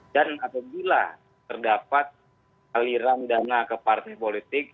dan apabila terdapat aliran dana ke partai politik